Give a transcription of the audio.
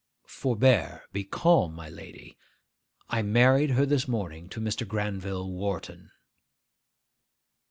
'Forbear! be calm, my lady. I married her this morning to Mr. Granville Wharton.